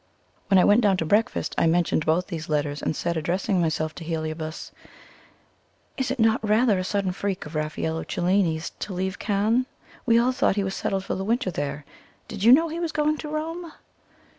When I went down to breakfast, I mentioned both these letters, and said, addressing myself to Heliobas: "Is it not rather a sudden freak of Raffaello Cellini's to leave Cannes? We all thought he was settled for the winter there. Did you know he was going to Rome?"